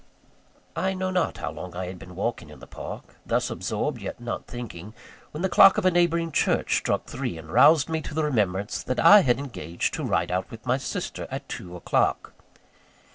I know not how long I had been walking in the park, thus absorbed yet not thinking, when the clock of a neighbouring church struck three, and roused me to the remembrance that I had engaged to ride out with my sister at two o'clock.